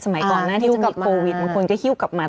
สมัยก่อนหน้าที่จะมีโปรวิดมันควรจะหิ้วกลับมา